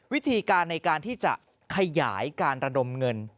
วิธีการในการที่จะขยายการระดมเงิน